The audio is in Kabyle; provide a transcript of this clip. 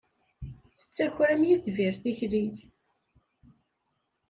Tettaker am yitbir tikli.